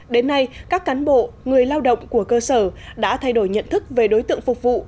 đến nay các cán bộ người lao động của cơ sở đã thay đổi nhận thức về đối tượng phục vụ